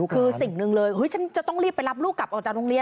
คือสิ่งหนึ่งเลยฉันจะต้องรีบไปรับลูกกลับออกจากโรงเรียน